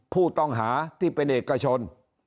ผู้ต้องหาที่เป็นเอกชน